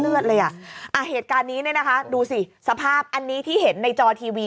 เลือดเลยอ่ะอ่าเหตุการณ์นี้เนี่ยนะคะดูสิสภาพอันนี้ที่เห็นในจอทีวี